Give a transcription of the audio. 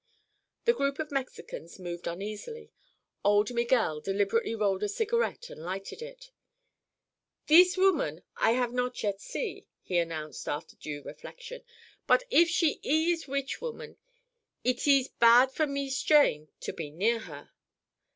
The group of Mexicans moved uneasily. Old Miguel deliberately rolled a cigarette and lighted it. "Thees woman I have not yet see," he announced, after due reflection. "But, if she ees witch woman, eet ees bad for Mees Jane to be near her."